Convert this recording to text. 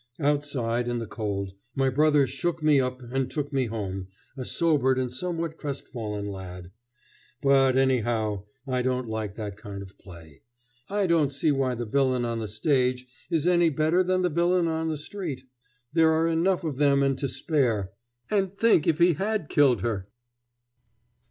Outside, in the cold, my brother shook me up and took me home, a sobered and somewhat crestfallen lad. But, anyhow, I don't like that kind of play. I don't see why the villain on the stage is any better than the villain on the street. There are enough of them and to spare. And think if he had killed her!